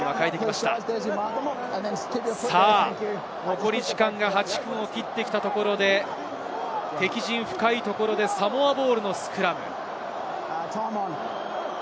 残り時間が８分を切ってきたところで、敵陣深いところでサモアボールのスクラム。